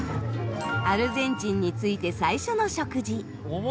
アルゼンチンに着いて最初の食事。